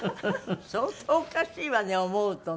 相当おかしいわね思うとね。